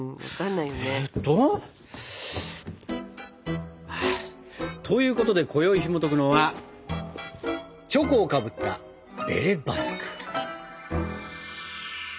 分かんないよね。ということでこよいひもとくのはチョコをかぶったベレ・バスク。